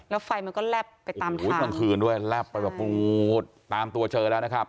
แล้วไฟมันก็แลบไปตามทางโอ้โหตอนคืนด้วยแลบไปแบบตามตัวเชอแล้วนะครับ